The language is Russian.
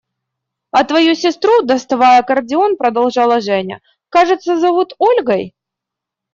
– «А твою сестру, – доставая аккордеон, продолжала Женя, – кажется, зовут Ольгой?»